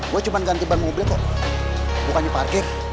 gue cuma ganti bar mobil kok bukannya parkir